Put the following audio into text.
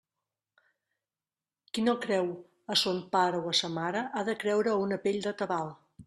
Qui no creu a son pare o a sa mare ha de creure a una pell de tabal.